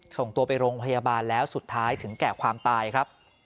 ส่งตัวไปโรงพยาบาลแล้วสุดท้ายถึงแก่ความตายครับ